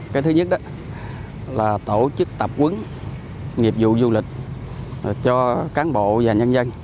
cái thứ nhất là tổ chức tập quấn nghiệp vụ du lịch cho cán bộ và nhân dân